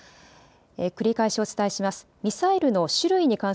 繰り返しお伝えします。